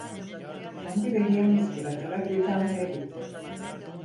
Hamdi beni yalnız bırakarak yıkanmaya gitti.